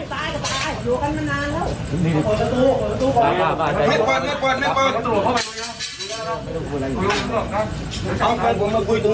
สองต่อสองได้ไหมเราออกมาเราออกมาไม่ใช่สองต่อสองได้เปล่าได้